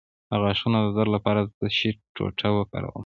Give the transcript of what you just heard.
د غاښونو د درد لپاره د څه شي ټوټه وکاروم؟